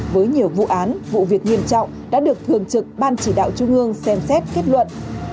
với nhiều vụ án vụ việc nghiêm trọng đã được thường trực ban chỉ đạo trung ương xem xét kết luận